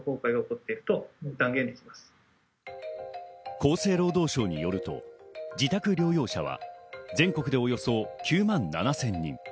厚生労働省によると、自宅療養者は全国でおよそ９万７０００人。